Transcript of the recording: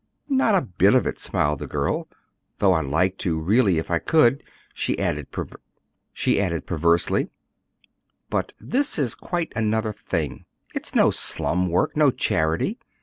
"Not a bit of it," smiled the girl, "though I'd like to, really, if I could," she added, perversely. "But this is quite another thing. It's no slum work, no charity.